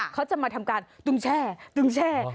เขาจะมาทำการตุงแช่